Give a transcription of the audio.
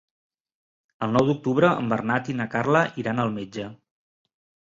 El nou d'octubre en Bernat i na Carla iran al metge.